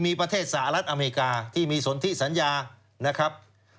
มีประเทศสหรัฐอเมริกาที่มีสนทิสัญญานะครับ